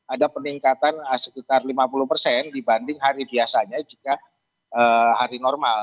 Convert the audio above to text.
ada peningkatan sekitar lima puluh persen dibanding hari biasanya jika hari normal